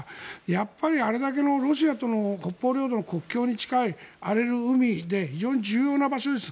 やっぱり、あれだけのロシアとの北方領土の国境に近い荒れる海で非常に重要な場所です。